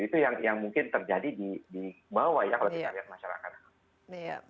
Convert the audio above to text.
itu yang mungkin terjadi di bawah ya kalau kita lihat masyarakat